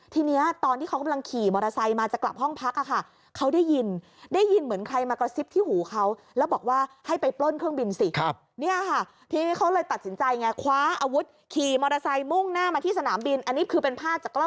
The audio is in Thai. ทีนี้ตอนที่เขากำลังขี่มอเตอร์ไซค์มาจากกลับห้องพัก